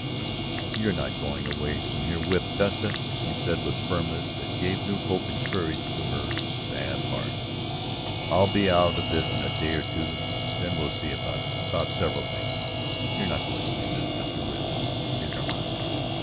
"You're not going away from here whipped, Vesta," he said with a firmness that gave new hope and courage to her sad heart. "I'll be out of this in a day or two, then we'll see about it about several things. You're not going to leave this country whipped; neither am I."